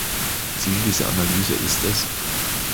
Ziel dieser Analyse ist es,